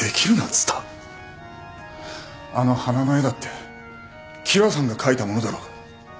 あの花の絵だって喜和さんが描いたものだろう。